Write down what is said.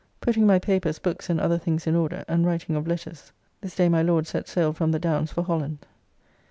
Putting my papers, books and other things in order, and writing of letters. This day my Lord set sail from the Downs for Holland.